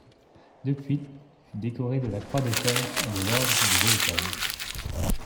De Puydt fut décoré de la Croix de fer et de l'ordre de Léopold.